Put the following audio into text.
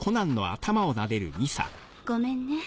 ごめんね。